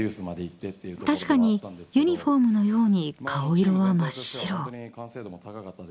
［確かにユニホームのように顔色は真っ白］